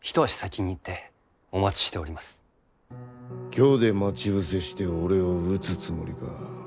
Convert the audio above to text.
京で待ち伏せして俺を討つつもりか？